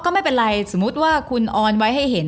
ก็ไม่เป็นไรสมมุติว่าคุณออนไว้ให้เห็น